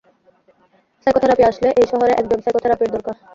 Psychotherapy আসলে, এই শহরে একজন সাইকোথেরাপির দরকার।